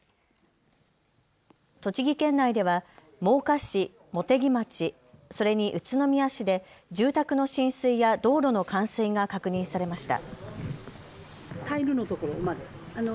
栃木県内では真岡市、茂木町、それに宇都宮市で住宅の浸水や道路の冠水が確認されました。